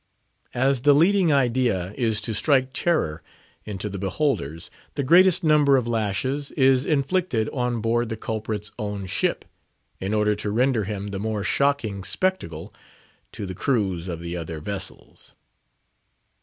As the leading idea is to strike terror into the beholders, the greatest number of lashes is inflicted on board the culprit's own ship, in order to render him the more shocking spectacle to the crews of the other vessels.